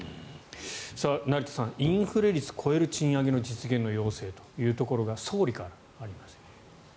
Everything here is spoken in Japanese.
成田さんインフレ率を超える賃上げの実現の要請というのが総理からありました。